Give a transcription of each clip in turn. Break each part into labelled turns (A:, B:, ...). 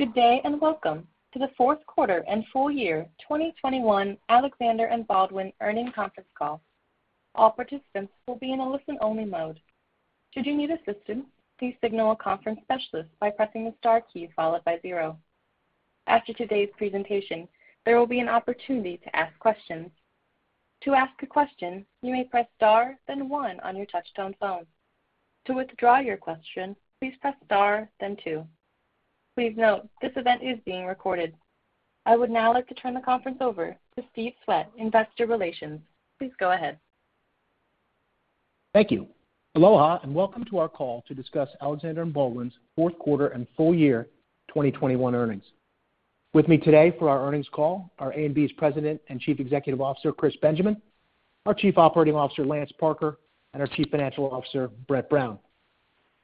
A: Good day, and welcome to the fourth quarter and full year 2021 Alexander & Baldwin earnings conference call. All participants will be in a listen-only mode. Should you need assistance, please signal a conference specialist by pressing the star key followed by zero. After today's presentation, there will be an opportunity to ask questions. To ask a question, you may press star then one on your touchtone phone. To withdraw your question, please press star then two. Please note, this event is being recorded. I would now like to turn the conference over to Steve Swett, Investor Relations. Please go ahead.
B: Thank you. Aloha, and welcome to our call to discuss Alexander & Baldwin's fourth quarter and full year 2021 earnings. With me today for our earnings call are A&B's President and Chief Executive Officer, Chris Benjamin, our Chief Operating Officer, Lance Parker, and our Chief Financial Officer, Brett Brown.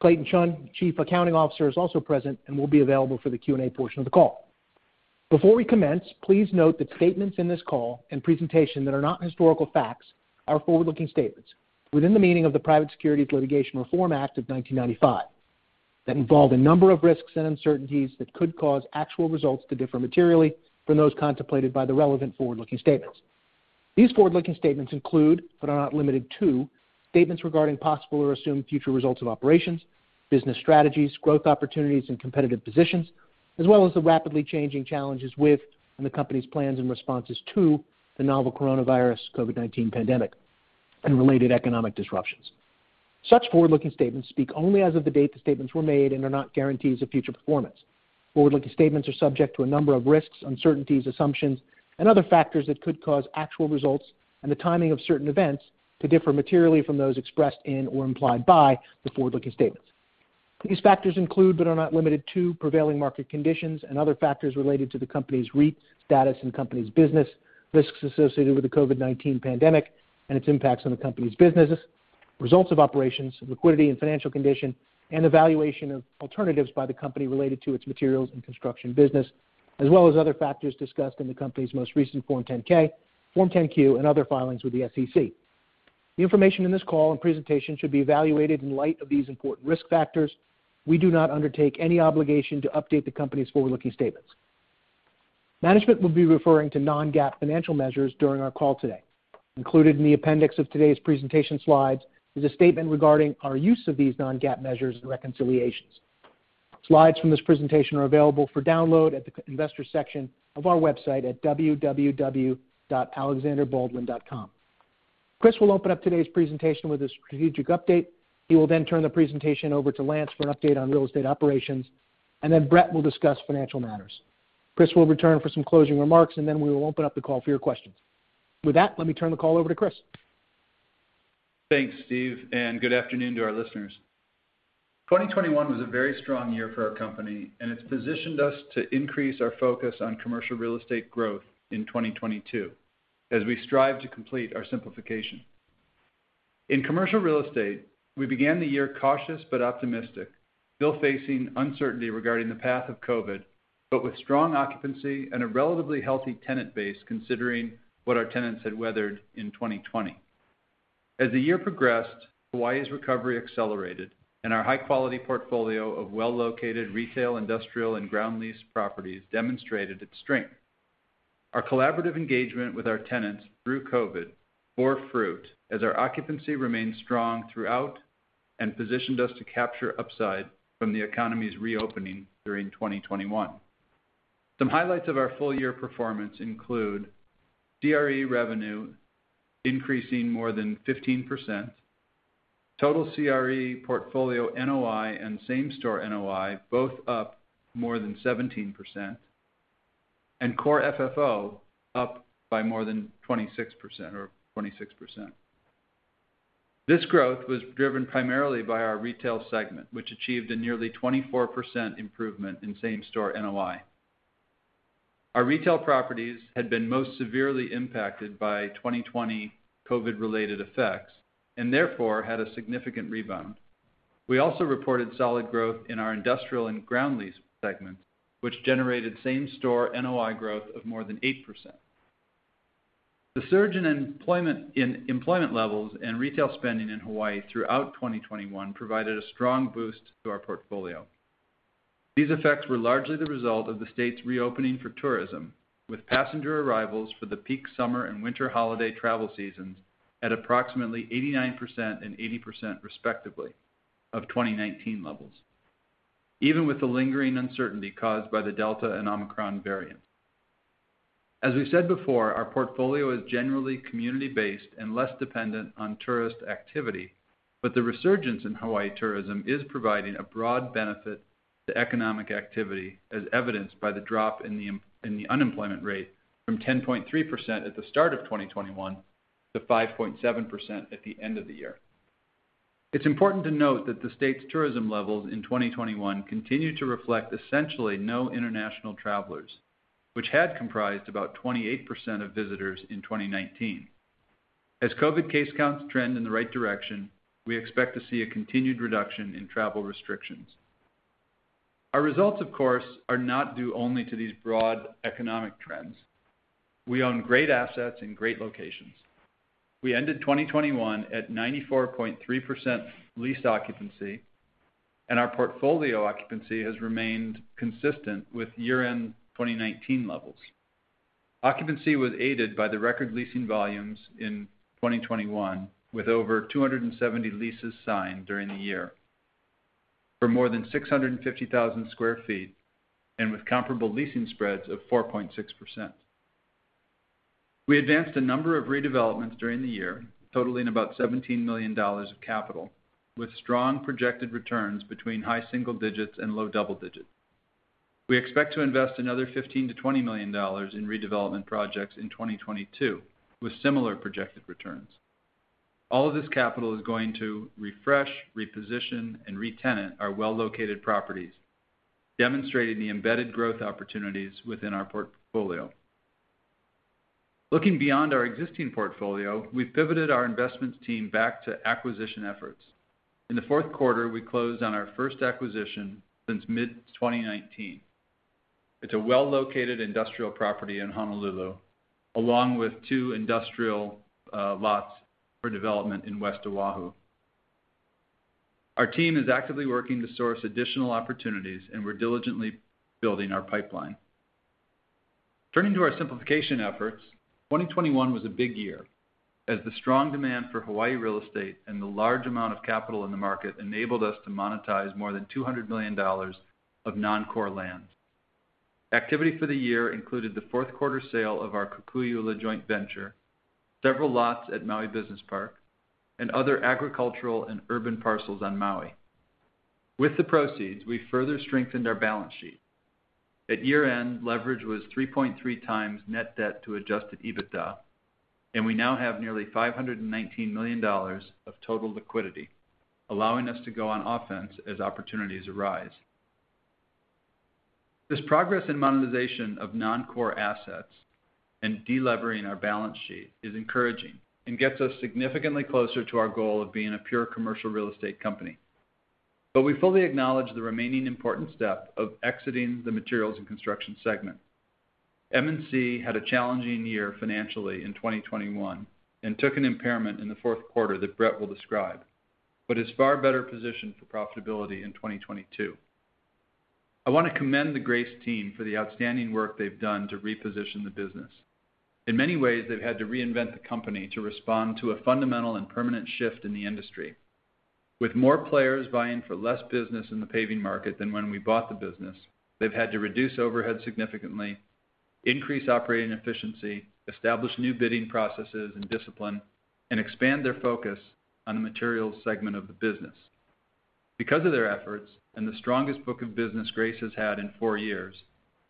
B: Clayton Chun, Chief Accounting Officer, is also present and will be available for the Q&A portion of the call. Before we commence, please note that statements in this call and presentation that are not historical facts are forward-looking statements within the meaning of the Private Securities Litigation Reform Act of 1995 that involve a number of risks and uncertainties that could cause actual results to differ materially from those contemplated by the relevant forward-looking statements. These forward-looking statements include, but are not limited to, statements regarding possible or assumed future results of operations, business strategies, growth opportunities and competitive positions, as well as the rapidly changing challenges with, and the company's plans and responses to, the novel coronavirus COVID-19 pandemic and related economic disruptions. Such forward-looking statements speak only as of the date the statements were made and are not guarantees of future performance. Forward-looking statements are subject to a number of risks, uncertainties, assumptions, and other factors that could cause actual results and the timing of certain events to differ materially from those expressed in or implied by the forward-looking statements. These factors include, but are not limited to, prevailing market conditions and other factors related to the company's REIT status and the company's business, risks associated with the COVID-19 pandemic and its impacts on the company's business, results of operations, liquidity and financial condition, and evaluation of alternatives by the company related to its materials and construction business, as well as other factors discussed in the company's most recent Form 10-K, Form 10-Q, and other filings with the SEC. The information in this call and presentation should be evaluated in light of these important risk factors. We do not undertake any obligation to update the company's forward-looking statements. Management will be referring to non-GAAP financial measures during our call today. Included in the appendix of today's presentation slides is a statement regarding our use of these non-GAAP measures and reconciliations. Slides from this presentation are available for download at the investor section of our website at www.alexanderbaldwin.com. Chris will open up today's presentation with a strategic update. He will then turn the presentation over to Lance for an update on real estate operations, and then Brett will discuss financial matters. Chris will return for some closing remarks, and then we will open up the call for your questions. With that, let me turn the call over to Chris.
C: Thanks, Steve, and good afternoon to our listeners. 2021 was a very strong year for our company, and it's positioned us to increase our focus on Commercial Real Estate growth in 2022 as we strive to complete our simplification. In Commercial Real Estate, we began the year cautious but optimistic, still facing uncertainty regarding the path of COVID, but with strong occupancy and a relatively healthy tenant base considering what our tenants had weathered in 2020. As the year progressed, Hawaii's recovery accelerated and our high-quality portfolio of well-located retail, industrial, and ground lease properties demonstrated its strength. Our collaborative engagement with our tenants through COVID bore fruit as our occupancy remained strong throughout and positioned us to capture upside from the economy's reopening during 2021. Some highlights of our full-year performance include CRE revenue increasing more than 15%, total CRE portfolio NOI and same-store NOI both up more than 17%, and core FFO up by more than 26%. This growth was driven primarily by our retail segment, which achieved a nearly 24% improvement in same-store NOI. Our retail properties had been most severely impacted by 2020 COVID-related effects and therefore had a significant rebound. We also reported solid growth in our industrial and ground lease segment, which generated same-store NOI growth of more than 8%. The surge in employment levels and retail spending in Hawaii throughout 2021 provided a strong boost to our portfolio. These effects were largely the result of the state's reopening for tourism, with passenger arrivals for the peak summer and winter holiday travel seasons at approximately 89% and 80% respectively of 2019 levels, even with the lingering uncertainty caused by the Delta and Omicron variants. As we said before, our portfolio is generally community-based and less dependent on tourist activity, but the resurgence in Hawaii tourism is providing a broad benefit to economic activity, as evidenced by the drop in the unemployment rate from 10.3% at the start of 2021 to 5.7% at the end of the year. It's important to note that the state's tourism levels in 2021 continue to reflect essentially no international travelers, which had comprised about 28% of visitors in 2019. As COVID case counts trend in the right direction, we expect to see a continued reduction in travel restrictions. Our results, of course, are not due only to these broad economic trends. We own great assets in great locations. We ended 2021 at 94.3% leased occupancy, and our portfolio occupancy has remained consistent with year-end 2019 levels. Occupancy was aided by the record leasing volumes in 2021, with over 270 leases signed during the year for more than 650,000 sq ft and with comparable leasing spreads of 4.6%. We advanced a number of redevelopments during the year, totaling about $17 million of capital, with strong projected returns between high single digits and low double digits. We expect to invest another $15 million-$20 million in redevelopment projects in 2022, with similar projected returns. All of this capital is going to refresh, reposition, and re-tenant our well-located properties, demonstrating the embedded growth opportunities within our portfolio. Looking beyond our existing portfolio, we pivoted our investments team back to acquisition efforts. In the fourth quarter, we closed on our first acquisition since mid-2019. It's a well-located industrial property in Honolulu, along with two industrial lots for development in West Oʻahu. Our team is actively working to source additional opportunities, and we're diligently building our pipeline. Turning to our simplification efforts, 2021 was a big year, as the strong demand for Hawaii real estate and the large amount of capital in the market enabled us to monetize more than $200 million of non-core lands. Activity for the year included the fourth quarter sale of our Kukuiʻula joint venture, several lots at Maui Business Park, and other agricultural and urban parcels on Maui. With the proceeds, we further strengthened our balance sheet. At year-end, leverage was 3.3x net debt to adjusted EBITDA, and we now have nearly $519 million of total liquidity, allowing us to go on offense as opportunities arise. This progress in monetization of non-core assets and delevering our balance sheet is encouraging and gets us significantly closer to our goal of being a pure commercial real estate company. We fully acknowledge the remaining important step of exiting the materials and construction segment. M&C had a challenging year financially in 2021 and took an impairment in the fourth quarter that Brett will describe, but is far better positioned for profitability in 2022. I want to commend the Grace team for the outstanding work they've done to reposition the business. In many ways, they've had to reinvent the company to respond to a fundamental and permanent shift in the industry. With more players vying for less business in the paving market than when we bought the business, they've had to reduce overhead significantly, increase operating efficiency, establish new bidding processes and discipline, and expand their focus on the materials segment of the business. Because of their efforts and the strongest book of business Grace has had in four years,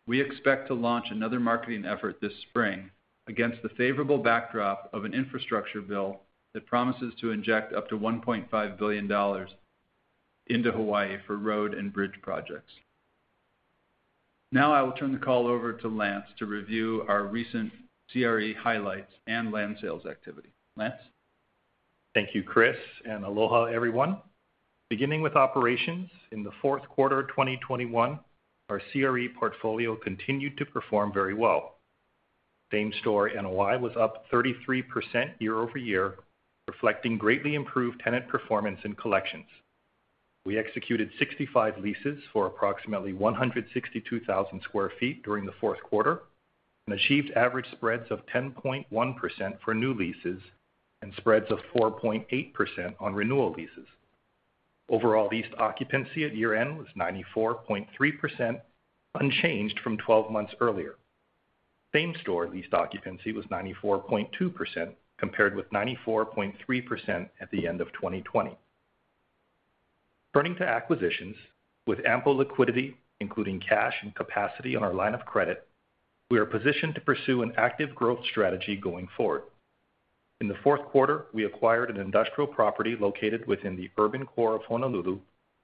C: we expect to launch another marketing effort this spring against the favorable backdrop of an infrastructure bill that promises to inject up to $1.5 billion into Hawaii for road and bridge projects. Now I will turn the call over to Lance to review our recent CRE highlights and land sales activity. Lance?
D: Thank you, Chris, and aloha, everyone. Beginning with operations, in the fourth quarter 2021, our CRE portfolio continued to perform very well. Same-store NOI was up 33% year-over-year, reflecting greatly improved tenant performance and collections. We executed 65 leases for approximately 162,000 sq ft during the fourth quarter and achieved average spreads of 10.1% for new leases and spreads of 4.8% on renewal leases. Overall leased occupancy at year-end was 94.3%, unchanged from 12 months earlier. Same-store leased occupancy was 94.2%, compared with 94.3% at the end of 2020. Turning to acquisitions, with ample liquidity, including cash and capacity on our line of credit, we are positioned to pursue an active growth strategy going forward. In the fourth quarter, we acquired an industrial property located within the urban core of Honolulu,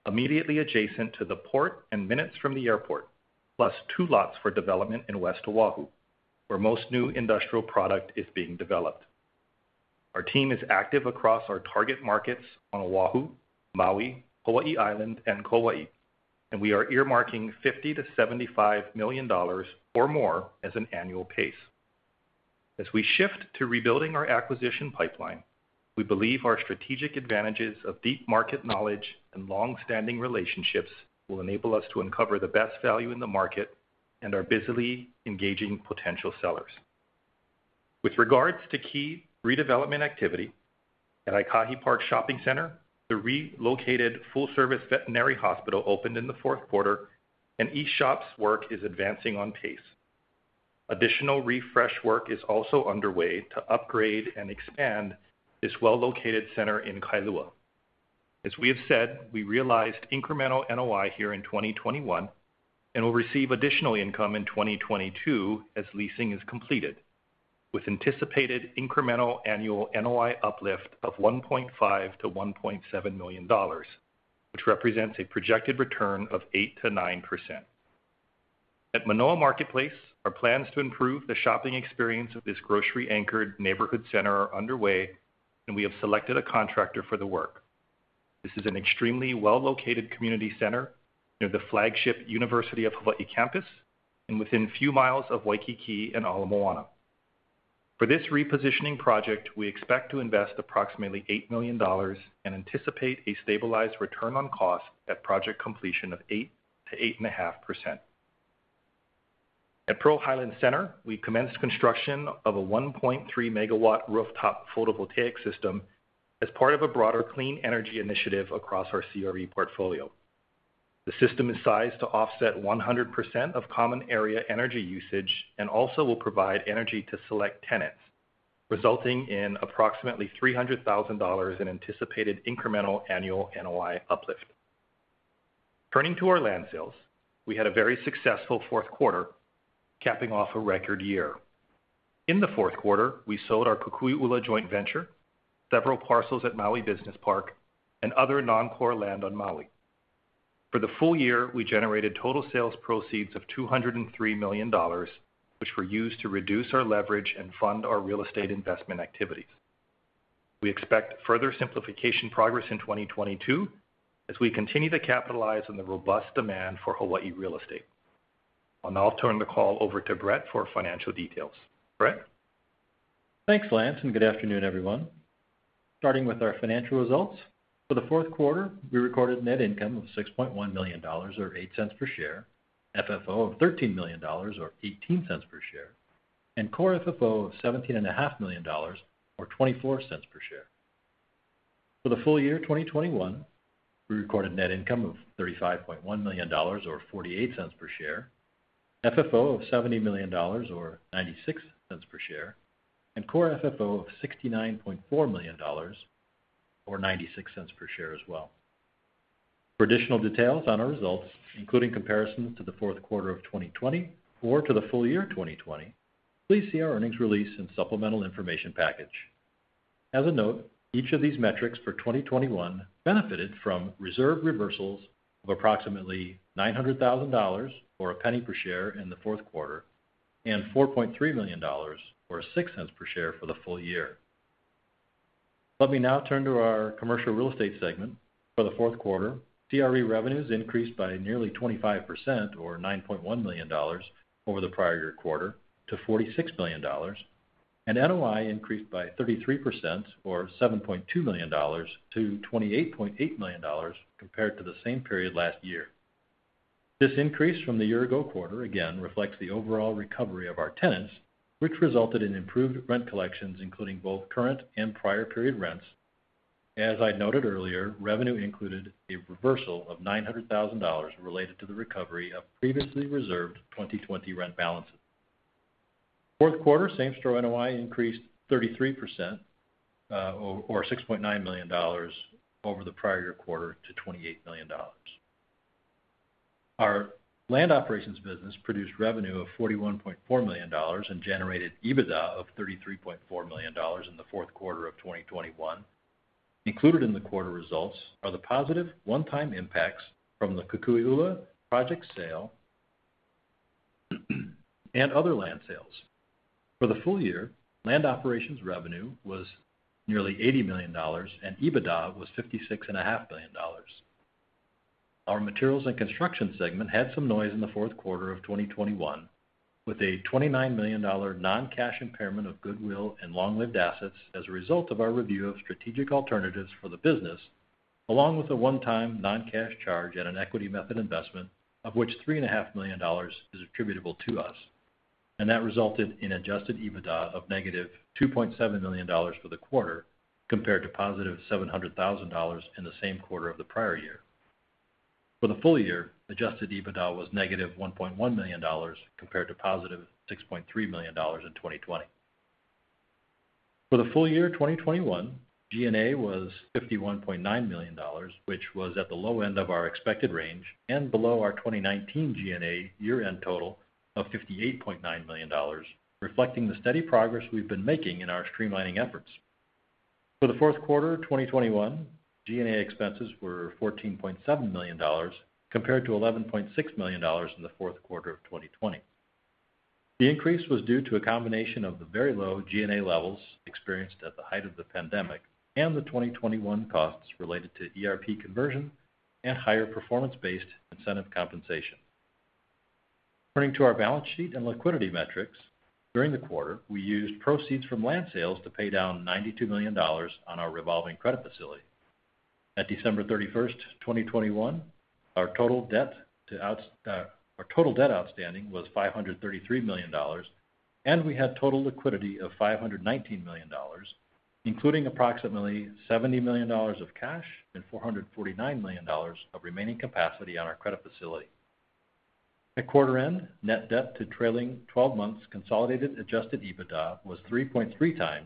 D: immediately adjacent to the port and minutes from the airport, plus two lots for development in West Oʻahu, where most new industrial product is being developed. Our team is active across our target markets on Oʻahu, Maui, Hawaiʻi Island, and Kauaʻi, and we are earmarking $50 million-$75 million or more as an annual pace. As we shift to rebuilding our acquisition pipeline, we believe our strategic advantages of deep market knowledge and long-standing relationships will enable us to uncover the best value in the market and are busily engaging potential sellers. With regards to key redevelopment activity, at Aikahi Park Shopping Center, the relocated full-service veterinary hospital opened in the fourth quarter, and [E-Shop's] work is advancing on pace. Additional refresh work is also underway to upgrade and expand this well-located center in Kailua. As we have said, we realized incremental NOI here in 2021 and will receive additional income in 2022 as leasing is completed, with anticipated incremental annual NOI uplift of $1.5 million-$1.7 million, which represents a projected return of 8%-9%. At Manoa Marketplace, our plans to improve the shopping experience of this grocery-anchored neighborhood center are underway, and we have selected a contractor for the work. This is an extremely well-located community center near the flagship University of Hawaii campus and within a few miles of Waikiki and Ala Moana. For this repositioning project, we expect to invest approximately $8 million and anticipate a stabilized return on cost at project completion of 8%-8.5%. At Pearl Highlands Center, we commenced construction of a 1.3-MW rooftop photovoltaic system as part of a broader clean energy initiative across our CRE portfolio. The system is sized to offset 100% of common area energy usage and also will provide energy to select tenants, resulting in approximately $300,000 in anticipated incremental annual NOI uplift. Turning to our land sales, we had a very successful fourth quarter, capping off a record year. In the fourth quarter, we sold our Kukuiʻula joint venture, several parcels at Maui Business Park and other non-core land on Maui. For the full year, we generated total sales proceeds of $203 million, which were used to reduce our leverage and fund our real estate investment activities. We expect further simplification progress in 2022 as we continue to capitalize on the robust demand for Hawaii real estate. I'll now turn the call over to Brett for financial details. Brett?
E: Thanks, Lance, and good afternoon, everyone. Starting with our financial results, for the fourth quarter, we recorded net income of $6.1 million or $0.08 per share, FFO of $13 million or $0.18 per share, and core FFO of $17.5 million or $0.24 per share. For the full year 2021, we recorded net income of $35.1 million or $0.48 per share, FFO of $70 million or $0.96 per share, and core FFO of $69.4 million or $0.96 per share as well. For additional details on our results, including comparisons to the fourth quarter of 2020 or to the full year of 2020, please see our earnings release and supplemental information package. As a note, each of these metrics for 2021 benefited from reserve reversals of approximately $900,000 or $0.01 per share in the fourth quarter, and $4.3 million or $0.06 per share for the full year. Let me now turn to our Commercial Real Estate segment. For the fourth quarter, CRE revenues increased by nearly 25% or $9.1 million over the prior-year quarter to $46 million, and NOI increased by 33% or $7.2 million to $28.8 million compared to the same period last year. This increase from the year-ago quarter, again, reflects the overall recovery of our tenants, which resulted in improved rent collections, including both current and prior-period rents. As I noted earlier, revenue included a reversal of $900,000 related to the recovery of previously reserved 2020 rent balances. Fourth quarter same-store NOI increased 33%, or $6.9 million over the prior-year quarter to $28 million. Our Land Operations business produced revenue of $41.4 million and generated EBITDA of $33.4 million in the fourth quarter of 2021. Included in the quarter results are the positive one-time impacts from the Kukuiʻula project sale and other land sales. For the full year, Land Operations revenue was nearly $80 million and EBITDA was $56.5 million. Our Materials & Construction segment had some noise in the fourth quarter of 2021, with a $29 million non-cash impairment of goodwill and long-lived assets as a result of our review of strategic alternatives for the business, along with a one-time non-cash charge in an equity method investment, of which $3.5 million is attributable to us, and that resulted in adjusted EBITDA of $-2.7 million for the quarter, compared to $0.7 million in the same quarter of the prior year. For the full year, adjusted EBITDA was $-1.1 million, compared to $6.3 million in 2020. For the full year 2021, G&A was $51.9 million, which was at the low end of our expected range and below our 2019 G&A year-end total of $58.9 million, reflecting the steady progress we've been making in our streamlining efforts. For the fourth quarter 2021, G&A expenses were $14.7 million, compared to $11.6 million in the fourth quarter of 2020. The increase was due to a combination of the very low G&A levels experienced at the height of the pandemic and the 2021 costs related to ERP conversion and higher performance-based incentive compensation. Turning to our balance sheet and liquidity metrics. During the quarter, we used proceeds from land sales to pay down $92 million on our revolving credit facility. At December 31st, 2021, our total debt outstanding was $533 million, and we had total liquidity of $519 million, including approximately $70 million of cash and $449 million of remaining capacity on our credit facility. At quarter end, net debt to trailing twelve months consolidated adjusted EBITDA was 3.3x,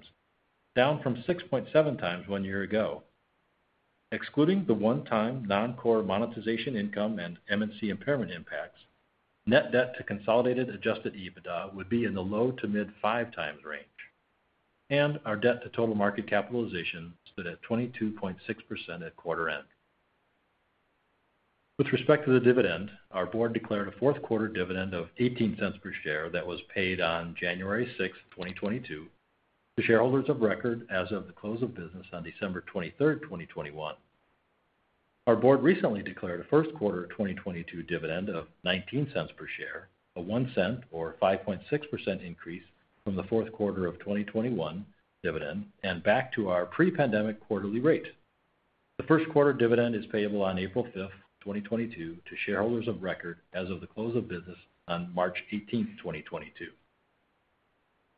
E: down from 6.7x one year ago. Excluding the one-time non-core monetization income and M&C impairment impacts, net debt to consolidated adjusted EBITDA would be in the low- to mid-5x range, and our debt to total market capitalization stood at 22.6% at quarter-end. With respect to the dividend, our Board declared a fourth quarter dividend of $0.18 per share that was paid on January 6th, 2022 to shareholders of record as of the close of business on December 23, 2021. Our Board recently declared a first quarter of 2022 dividend of $0.19 per share, a $0.01 or 5.6% increase from the fourth quarter of 2021 dividend and back to our pre-pandemic quarterly rate. The first quarter dividend is payable on April 5th, 2022 to shareholders of record as of the close of business on March 18th, 2022.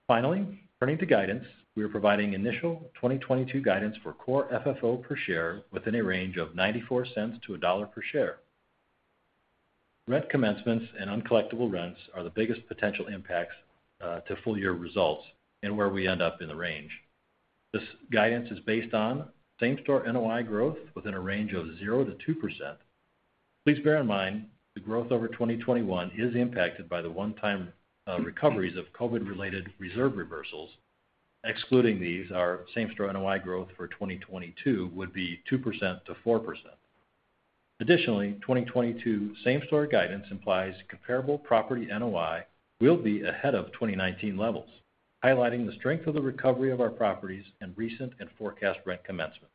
E: Finally, turning to guidance, we are providing initial 2022 guidance for core FFO per share within a range of $0.94-$1.00 per share. Rent commencements and uncollectible rents are the biggest potential impacts to full-year results and where we end up in the range. This guidance is based on same-store NOI growth within a range of 0%-2%. Please bear in mind the growth over 2021 is impacted by the one-time recoveries of COVID-related reserve reversals. Excluding these, our same-store NOI growth for 2022 would be 2%-4%. Additionally, 2022 same-store guidance implies comparable property NOI will be ahead of 2019 levels, highlighting the strength of the recovery of our properties and recent and forecast rent commencement.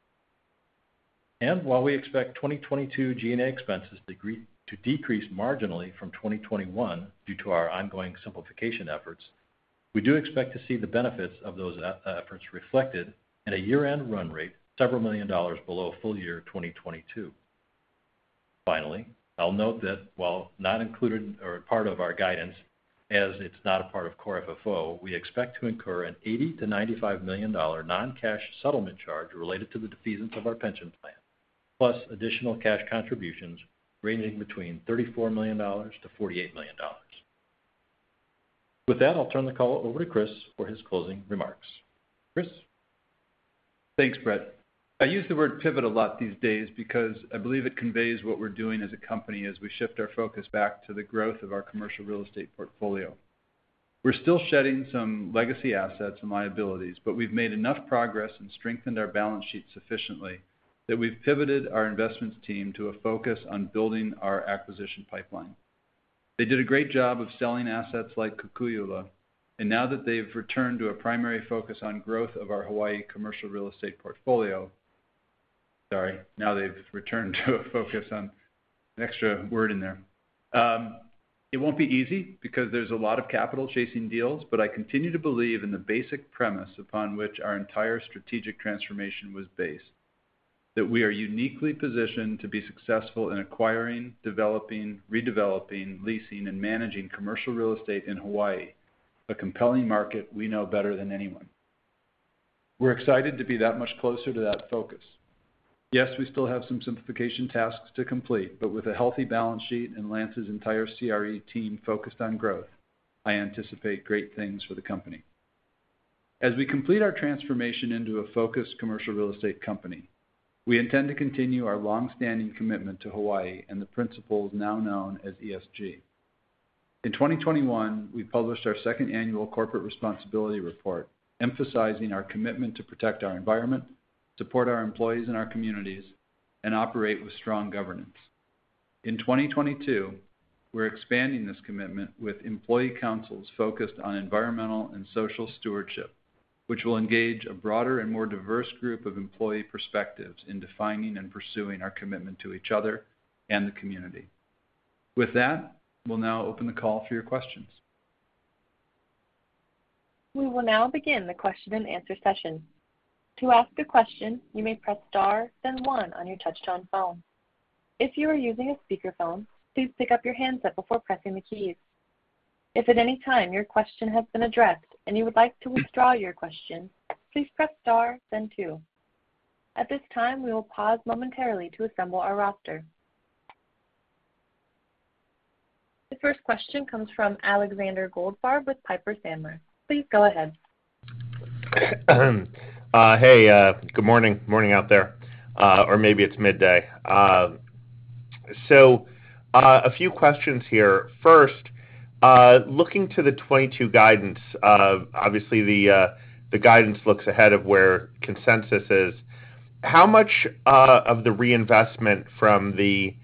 E: While we expect 2022 G&A expenses to decrease marginally from 2021 due to our ongoing simplification efforts, we do expect to see the benefits of those efforts reflected at a year-end run rate several million dollars below full year 2022. Finally, I'll note that while not included or part of our guidance, as it's not a part of core FFO, we expect to incur a $80 million-$95 million non-cash settlement charge related to the defeasance of our pension plan, plus additional cash contributions ranging between $34 million to $48 million. With that, I'll turn the call over to Chris for his closing remarks. Chris?
C: Thanks, Brett. I use the word "pivot" a lot these days because I believe it conveys what we're doing as a company as we shift our focus back to the growth of our commercial real estate portfolio. We're still shedding some legacy assets and liabilities, but we've made enough progress and strengthened our balance sheet sufficiently that we've pivoted our investments team to a focus on building our acquisition pipeline. They did a great job of selling assets like Kukuiʻula, and now that they've returned to a focus on the growth of our Hawaii commercial real estate portfolio. It won't be easy because there's a lot of capital chasing deals, but I continue to believe in the basic premise upon which our entire strategic transformation was based, that we are uniquely positioned to be successful in acquiring, developing, redeveloping, leasing, and managing commercial real estate in Hawaii, a compelling market we know better than anyone. We're excited to be that much closer to that focus. Yes, we still have some simplification tasks to complete, but with a healthy balance sheet and Lance's entire CRE team focused on growth, I anticipate great things for the company. As we complete our transformation into a focused commercial real estate company, we intend to continue our long-standing commitment to Hawaii and the principles now known as ESG. In 2021, we published our second annual corporate responsibility report, emphasizing our commitment to protect our environment, support our employees and our communities, and operate with strong governance. In 2022, we're expanding this commitment with employee councils focused on environmental and social stewardship, which will engage a broader and more diverse group of employee perspectives in defining and pursuing our commitment to each other and the community. With that, we'll now open the call for your questions.
A: We will now begin the question-and-answer session. To ask a question, you may press star then one on your touch-tone phone. If you are using a speakerphone, please pick up your handset before pressing the keys. If at any time your question has been addressed and you would like to withdraw your question, please press star then two. At this time, we will pause momentarily to assemble our roster. The first question comes from Alexander Goldfarb with Piper Sandler. Please go ahead.
F: Hey, good morning. Morning out there, or maybe it's midday. A few questions here. First, looking to the 2022 guidance, obviously the guidance looks ahead of where consensus is. How much of the reinvestment from the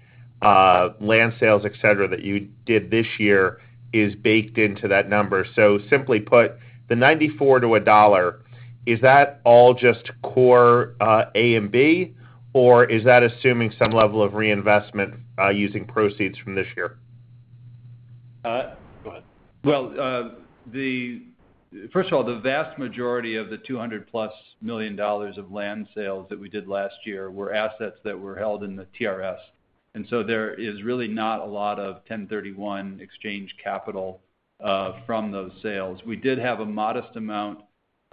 F: land sales, et cetera, that you did this year is baked into that number? Simply put, the $0.94-$1, is that all just core A&B, or is that assuming some level of reinvestment using proceeds from this year?
C: Well, first of all, the vast majority of the $200+ million of land sales that we did last year were assets that were held in the TRS. There is really not a lot of 1031 exchange capital from those sales. We did have a modest amount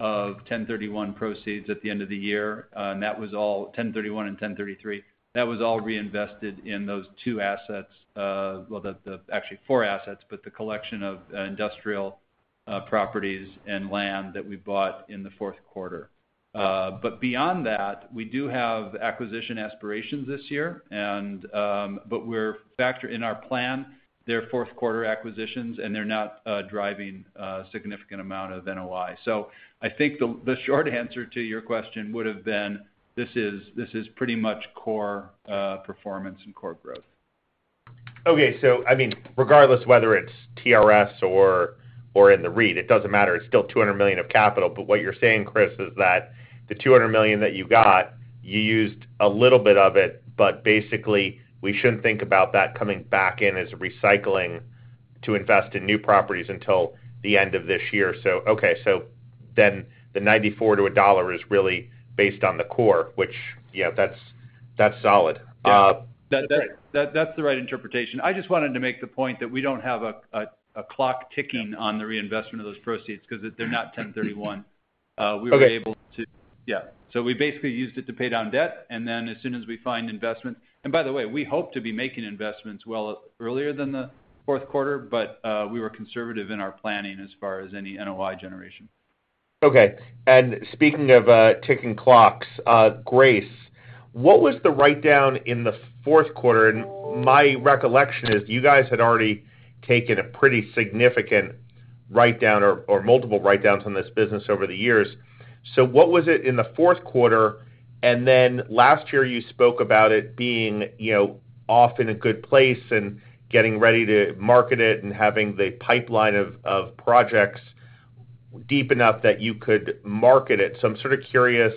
C: of 1031 proceeds at the end of the year, and that was all 1031 and 1033. That was all reinvested in those two assets, well, actually four assets, but the collection of industrial properties and land that we bought in the fourth quarter. Beyond that, we do have acquisition aspirations this year, but we're factoring in our plan the fourth quarter acquisitions, and they're not driving a significant amount of NOI. I think the short answer to your question would have been this is pretty much core performance and core growth.
F: Okay. I mean, regardless whether it's TRS or in the red, it doesn't matter, it's still $200 million of capital. What you're saying, Chris, is that the $200 million that you got, you used a little bit of it. Basically, we shouldn't think about that coming back in as recycling to invest in new properties until the end of this year. Okay. Then the $0.94-$1.00 is really based on the core, which, you know, that's solid.
C: Yeah. That's the right interpretation. I just wanted to make the point that we don't have a clock ticking on the reinvestment of those proceeds because they're not 1031. We were able to—
F: Okay.
C: Yeah. We basically used it to pay down debt, and then as soon as we find investment. By the way, we hope to be making investments well earlier than the fourth quarter, but we were conservative in our planning as far as any NOI generation.
F: Okay. Speaking of ticking clocks, Grace, what was the write-down in the fourth quarter? My recollection is you guys had already taken a pretty significant write-down or multiple write-downs on this business over the years. What was it in the fourth quarter? Last year, you spoke about it being, you know, off in a good place and getting ready to market it and having the pipeline of projects deep enough that you could market it. I'm sort of curious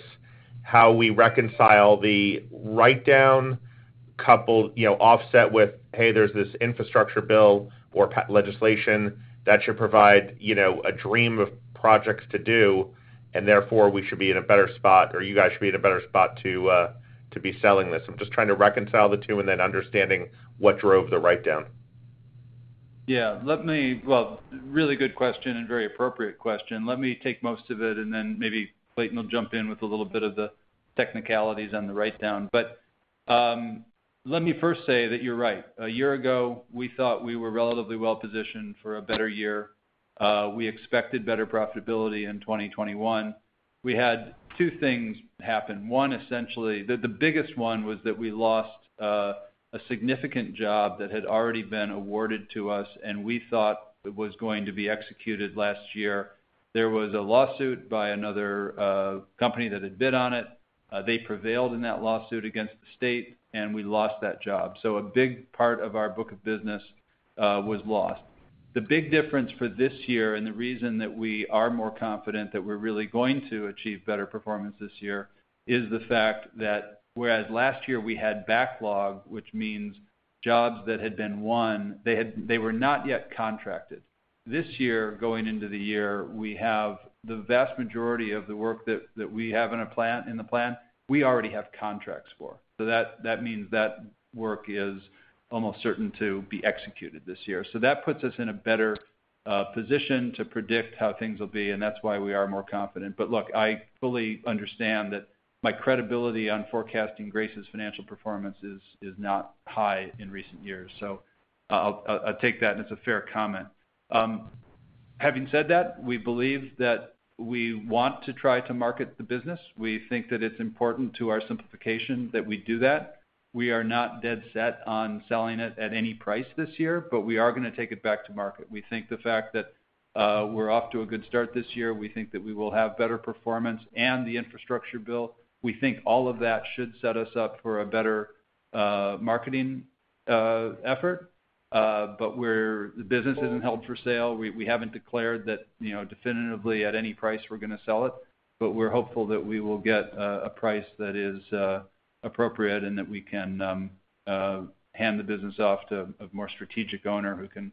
F: how we reconcile the write-down coupled, you know, offset with, hey, there's this infrastructure bill or legislation that should provide, you know, a dream of projects to do, and therefore we should be in a better spot, or you guys should be in a better spot to be selling this. I'm just trying to reconcile the two and then understanding what drove the write-down.
C: Well, really good question and very appropriate question. Let me take most of it, and then maybe Clayton will jump in with a little bit of the technicalities on the write-down. Let me first say that you're right. A year ago, we thought we were relatively well-positioned for a better year. We expected better profitability in 2021. We had two things happen. One, essentially, the biggest one was that we lost a significant job that had already been awarded to us and we thought it was going to be executed last year. There was a lawsuit by another company that had bid on it. They prevailed in that lawsuit against the state, and we lost that job. A big part of our book of business was lost. The big difference for this year and the reason that we are more confident that we're really going to achieve better performance this year is the fact that whereas last year we had backlog, which means jobs that had been won, they were not yet contracted. This year, going into the year, we have the vast majority of the work that we have in the plan, we already have contracts for. That means that work is almost certain to be executed this year. That puts us in a better position to predict how things will be, and that's why we are more confident. Look, I fully understand that my credibility on forecasting Grace's financial performance is not high in recent years. I'll take that, and it's a fair comment. Having said that, we believe that we want to try to market the business. We think that it's important to our simplification that we do that. We are not dead set on selling it at any price this year, but we are gonna take it back to market. We think the fact that we're off to a good start this year, we think that we will have better performance and the infrastructure bill. We think all of that should set us up for a better marketing effort. But the business isn't held for sale. We haven't declared that, you know, definitively at any price we're gonna sell it, but we're hopeful that we will get a price that is appropriate and that we can hand the business off to a more strategic owner who can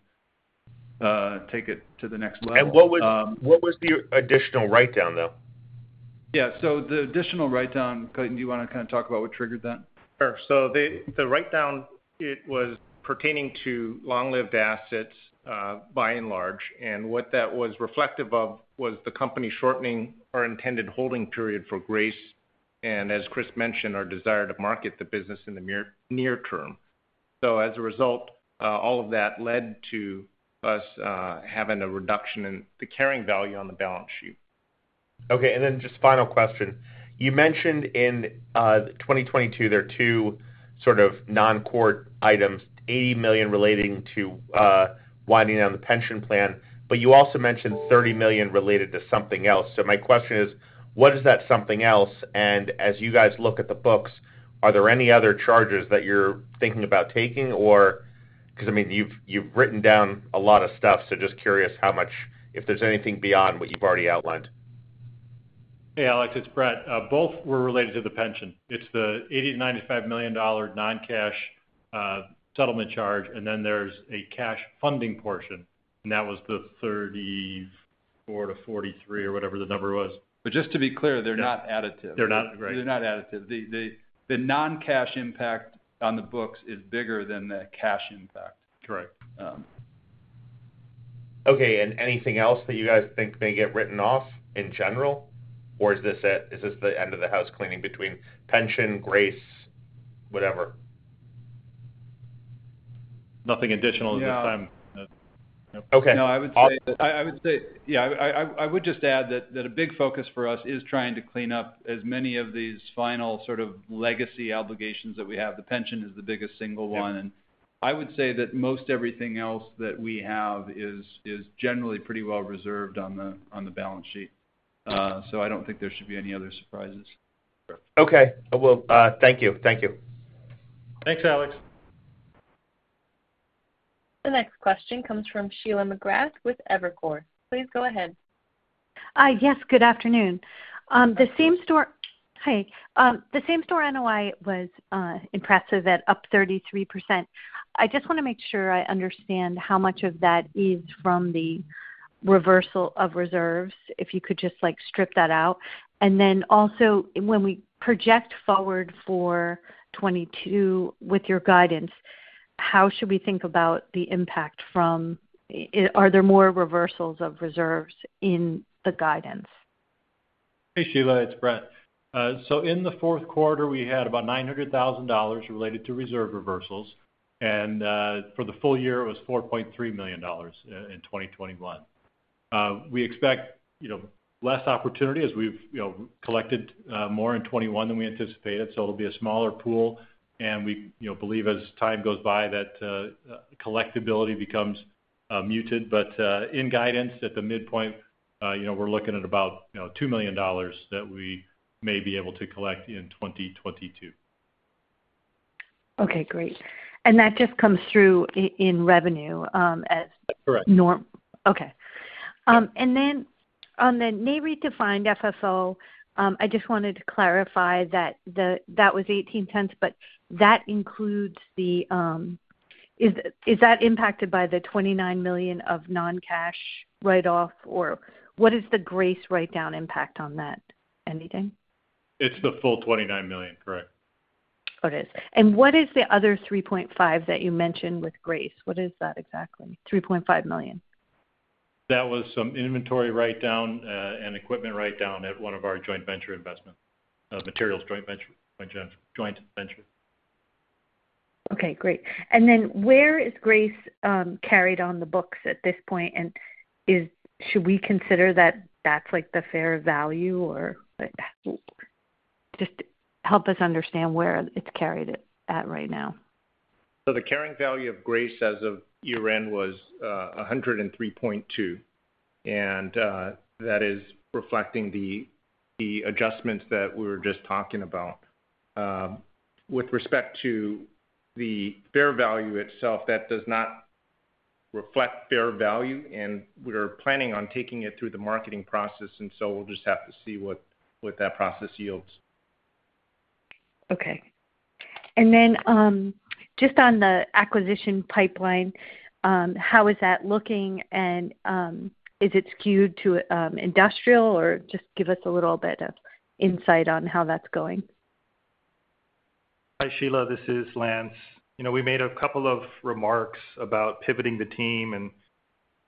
C: take it to the next level.
F: What was the additional write-down, though?
C: Yeah. The additional write down, Clayton, do you wanna kinda talk about what triggered that?
G: Sure. So the write down it was pertaining to long-lived assets, by and large. What that was reflective of was the company shortening our intended holding period for Grace, and as Chris mentioned, our desire to market the business in the near term. As a result, all of that led to us having a reduction in the carrying value on the balance sheet.
F: Okay. Just final question. You mentioned in 2022, there are two sort of non-core items, $80 million relating to winding down the pension plan, but you also mentioned $30 million related to something else. My question is, what is that something else? As you guys look at the books, are there any other charges that you're thinking about taking or 'Cause, I mean, you've written down a lot of stuff, so just curious how much if there's anything beyond what you've already outlined.
E: Hey, Alex, it's Brett. Both were related to the pension. It's the $80 million-$95 million non-cash settlement charge, and then there's a cash funding portion, and that was the $34 million-$43 million or whatever the number was.
G: Just to be clear, they're not additive.
E: They're not, right.
G: They're not additive. The non-cash impact on the books is bigger than the cash impact.
E: Correct.
F: Okay. Anything else that you guys think may get written off in general? Or is this it? Is this the end of the house cleaning between pension, Grace, whatever?
E: Nothing additional at this time.
G: No, yeah, I would just add that a big focus for us is trying to clean up as many of these final sort of legacy obligations that we have. The pension is the biggest single one.
E: Yeah.
G: I would say that most everything else that we have is generally pretty well reserved on the balance sheet. I don't think there should be any other surprises.
F: Okay. I will, thank you. Thank you.
C: Thanks, Alex.
A: The next question comes from Sheila McGrath with Evercore. Please go ahead.
H: Hi. Yes, good afternoon. The same-store NOI was impressive at up 33%. I just wanna make sure I understand how much of that is from the reversal of reserves, if you could just, like, strip that out. When we project forward for 2022 with your guidance, how should we think about the impact from. Are there more reversals of reserves in the guidance?
E: Hey, Sheila, it's Brett. So in the fourth quarter, we had about $900,000 related to reserve reversals. For the full year, it was $4.3 million in 2021. We expect, you know, less opportunity as we've, you know, collected more in 2021 than we anticipated, so it'll be a smaller pool. We, you know, believe as time goes by that collectibility becomes muted. But in guidance at the midpoint, you know, we're looking at about, you know, $2 million that we may be able to collect in 2022.
H: Okay, great. That just comes through in revenue, as—
E: Correct.
H: Norm. Okay. On the Nareit-defined FFO, I just wanted to clarify that that was $0.18, but that includes the—is that impacted by the $29 million of non-cash write-off? Or what is the Grace write-down impact on that? Anything?
E: It's the full $29 million. Correct.
H: Okay. What is the other $3.5 million that you mentioned with Grace? What is that exactly? $3.5 million.
E: That was some inventory write-down and equipment write-down at one of our joint venture investment, Materials joint venture.
H: Okay, great. Where is Grace carried on the books at this point? Should we consider that that's like the fair value? Or just help us understand where it's carried at right now.
E: The carrying value of Grace as of year-end was $103.2. That is reflecting the adjustments that we were just talking about. With respect to the fair value itself, that does not reflect fair value, and we're planning on taking it through the marketing process, and so we'll just have to see what that process yields.
H: Okay. Just on the acquisition pipeline, how is that looking, and is it skewed to industrial or just give us a little bit of insight on how that's going?
D: Hi, Sheila, this is Lance. You know, we made a couple of remarks about pivoting the team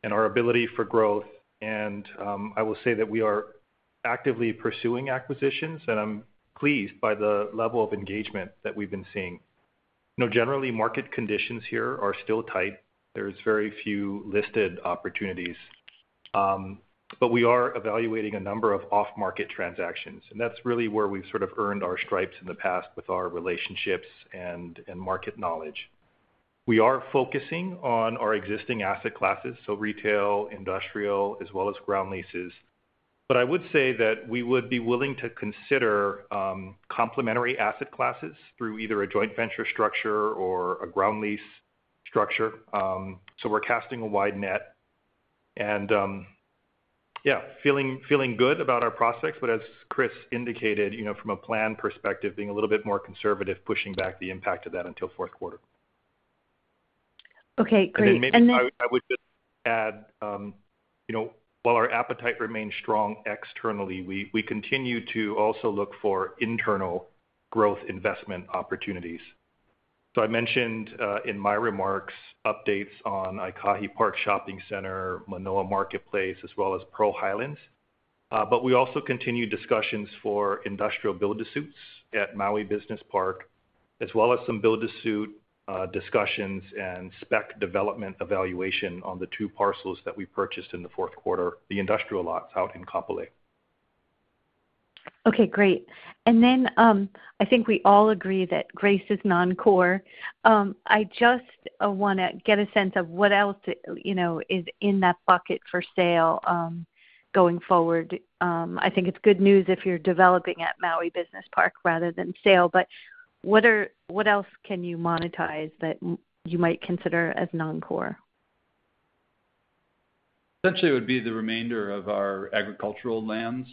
D: and our ability for growth, and I will say that we are actively pursuing acquisitions, and I'm pleased by the level of engagement that we've been seeing. You know, generally, market conditions here are still tight. There's very few listed opportunities. We are evaluating a number of off-market transactions, and that's really where we've sort of earned our stripes in the past with our relationships and market knowledge. We are focusing on our existing asset classes, so retail, industrial, as well as ground leases. I would say that we would be willing to consider complementary asset classes through either a joint venture structure or a ground lease structure. We're casting a wide net. Yeah, feeling good about our prospects. As Chris indicated, you know, from a plan perspective, being a little bit more conservative, pushing back the impact of that until fourth quarter.
H: Okay, great.
D: Maybe I would just add, you know, while our appetite remains strong externally, we continue to also look for internal growth investment opportunities. I mentioned in my remarks updates on Aikahi Park Shopping Center, Manoa Marketplace, as well as Pearl Highlands. But we also continue discussions for industrial build-to-suits at Maui Business Park, as well as some build-to-suit discussions and spec development evaluation on the two parcels that we purchased in the fourth quarter, the industrial lots out in Kapolei.
H: Okay, great. I think we all agree that Grace is non-core. I just wanna get a sense of what else, you know, is in that bucket for sale going forward. I think it's good news if you're developing at Maui Business Park rather than sale. What else can you monetize that you might consider as non-core?
C: Essentially, it would be the remainder of our agricultural lands,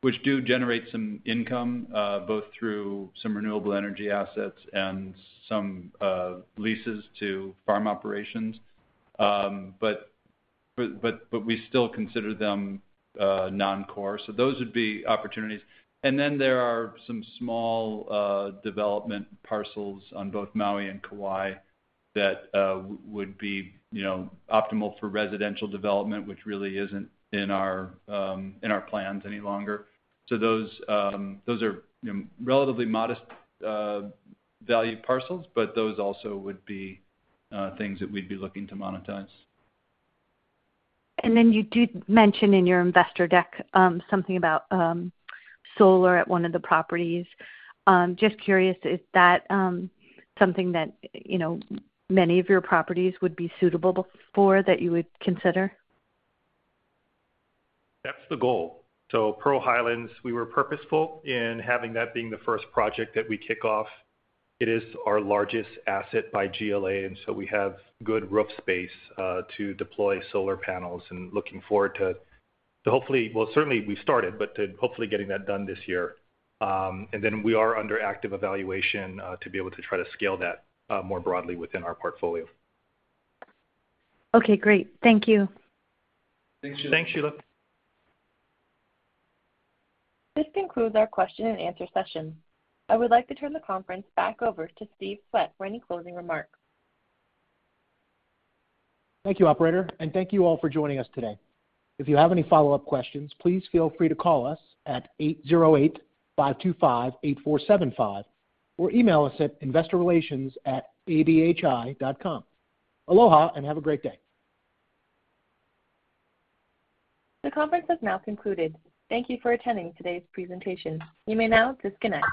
C: which do generate some income, both through some renewable energy assets and some leases to farm operations. But we still consider them non-core. Those would be opportunities. There are some small development parcels on both Maui and Kauaʻi that would be, you know, optimal for residential development, which really isn't in our plans any longer. Those are, you know, relatively modest value parcels, but those also would be things that we'd be looking to monetize.
H: You did mention in your investor deck something about solar at one of the properties. Just curious, is that something that, you know, many of your properties would be suitable for that you would consider?
D: That's the goal. Pearl Highlands, we were purposeful in having that being the first project that we kick off. It is our largest asset by GLA, and so we have good roof space to deploy solar panels and looking forward to hopefully getting that done this year. Well, certainly we've started, but to hopefully getting that done this year. We are under active evaluation to be able to try to scale that more broadly within our portfolio.
H: Okay, great. Thank you.
D: Thanks, Sheila.
C: Thanks, Sheila.
A: This concludes our question-and-answer session. I would like to turn the conference back over to Steve Swett for any closing remarks.
B: Thank you, operator, and thank you all for joining us today. If you have any follow-up questions, please feel free to call us at 808-525-8475 or email us at investorrelations@abhi.com. Aloha and have a great day.
A: The conference has now concluded. Thank you for attending today's presentation. You may now disconnect.